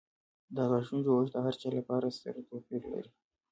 د غاښونو جوړښت د هر چا له بل سره توپیر لري.